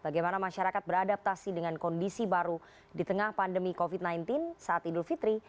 bagaimana masyarakat beradaptasi dengan kondisi baru di tengah pandemi covid sembilan belas saat idul fitri